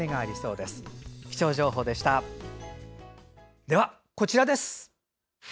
では、こちらです。